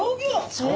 そう。